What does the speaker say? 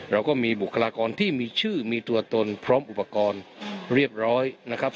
เราก็มีบุคลากรที่มีชื่อมีตัวตนพร้อมอุปกรณ์เรียบร้อยนะครับ